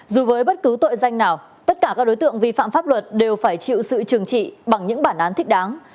dù với bất cứ tội danh nào tất cả các đối tượng vi phạm pháp luật đều phải chịu sự trừng trị bằng những bản án thích đáng